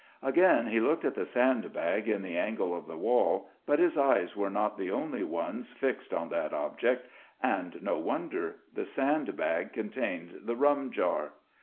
Again he looked at the sandbag in the angle of the wall, but his eyes were not the only ones fixed on that object. And no wonder: the sandbag contained the rum jar.